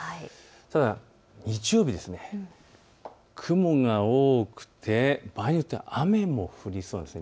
ただ日曜日、雲が多くて場合によっては雨も降りそうです。